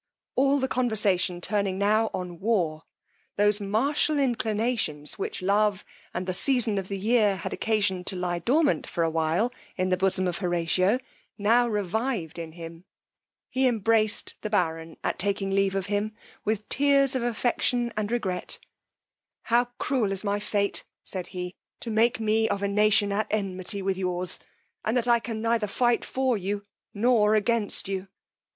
All the conversation turning now on war, those martial inclinations, which love and the season of the year had occasioned to lye dormant for a while in the bosom of Horatio, now revived in him: he embraced the baron at taking leave of him with tears of affection and regret: how cruel is my fate, said he, to make me of a nation at enmity with yours, and that I can neither fight for you nor against you!